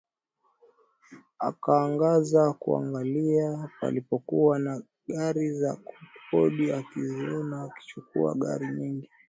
Akaangaza kuangalia palipokuwa na gari za kukodi akaziona akachukua gari nyingine